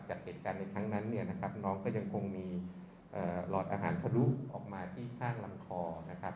จากเหตุการณ์ในครั้งนั้นเนี่ยนะครับน้องก็ยังคงมีหลอดอาหารทะลุออกมาที่ข้างลำคอนะครับ